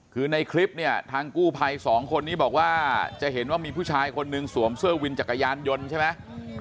คือในคลิปเนี่ยทางกู้ภัยสองคนนี้บอกว่าจะเห็นว่ามีผู้ชายคนหนึ่งสวมเสื้อวินจักรยานยนต์ใช่ไหม